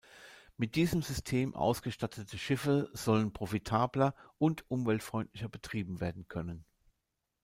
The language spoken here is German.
Mit diesem System ausgestattete Schiffe sollen profitabler und umweltfreundlicher betrieben werden können.